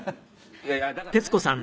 「いやいやだからね」